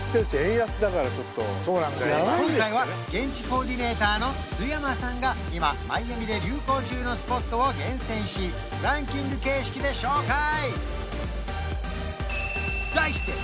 円安だからちょっと今回は現地コーディネーターの須山さんが今マイアミで流行中のスポットを厳選しランキング形式で紹介！